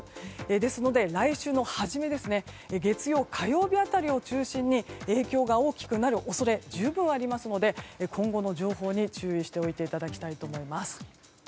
ですので、来週の初め月曜、火曜日辺りを中心に影響が大きくなる恐れ十分にありますので今後の情報に注意しておいていただきたいと思います。